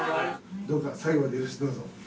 どうか最後までよろしくどうぞ。